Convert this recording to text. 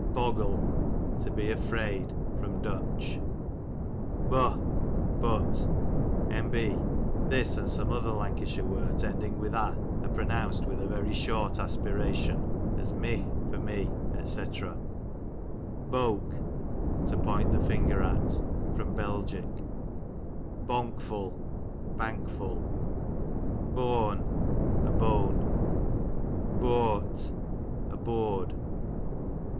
Boggle, to be afraid. Du. Boh, but. N.B. — This and some other La}ic((shire words ending with a, are pronounced with a very short aspiration, as meh, for me, dr. Boke, to point the finger at. Bel. Bonkful, bankful. Booan, a bone. Booart, a board.